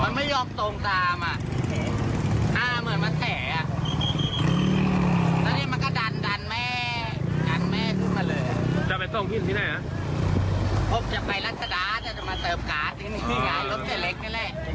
จะไปรัฐดาจะมาเติบกาชที่นี่ย้ายรถเป็นเล็กนี่แหละ